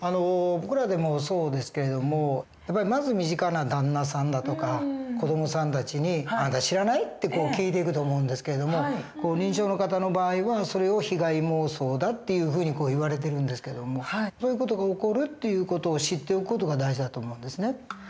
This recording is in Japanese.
僕らでもそうですけれどもまず身近な旦那さんだとか子どもさんたちに「あんた知らない？」って聞いていくと思うんですけども認知症の方の場合はそれを被害妄想だっていうふうに言われてるんですけどもそういう事が起こるという事を知っておく事が大事だと思うんですね。